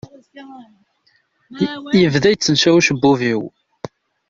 Yebda yettančaw ucebbub-iw.